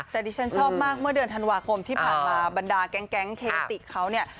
แต่ดิฉันชอบมากเมื่อเดือนธันวาคมที่ผ่านมาบรรดาแก๊งเคติกเขาเนี่ย